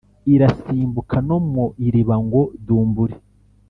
irasimbuka no mu iriba, ngo dumbuli!